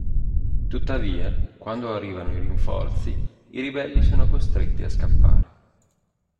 Tuttavia quando arrivano i rinforzi, i Ribelli sono costretti a scappare.